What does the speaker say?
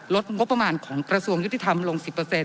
งบประมาณของกระทรวงยุติธรรมลง๑๐